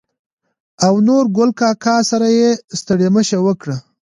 او نورګل کاکا سره يې ستړي مشې وکړه.